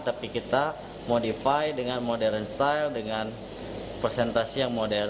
tapi kita modifie dengan modern style dengan presentasi yang modern